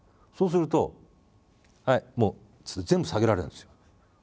そうすると「はいもう」っつって全部下げられるんですよ